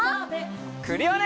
クリオネ！